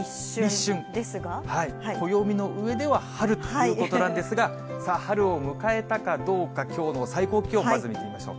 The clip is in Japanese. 暦の上では春ということなんですが、さあ、春を迎えたかどうか、きょうの最高気温、まず見てみましょう。